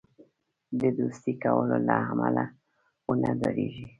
د دوستی کولو له امله ونه ډاریږي.